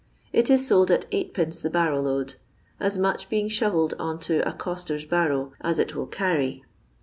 It is sold at Sd» the barrow load; as much being •hovelled on to a eoster^i barrow "as it will cany."